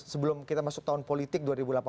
sebelum kita masuk tahun politik dua ribu delapan belas